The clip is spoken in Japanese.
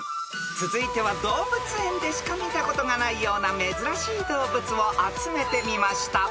続いては動物園でしか見たことがないような珍しい動物を集めてみました］